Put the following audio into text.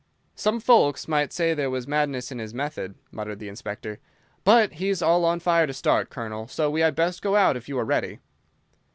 "Some folks might say there was madness in his method," muttered the Inspector. "But he's all on fire to start, Colonel, so we had best go out if you are ready."